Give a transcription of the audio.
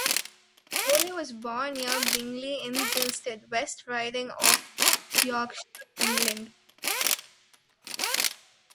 Hoyle was born near Bingley in Gilstead, West Riding of Yorkshire, England.